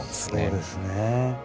そうですね。